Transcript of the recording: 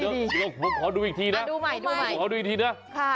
เดี๋ยวผมขอดูอีกทีนะขอดูอีกทีนะ